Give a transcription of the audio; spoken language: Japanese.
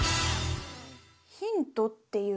ヒントっていうか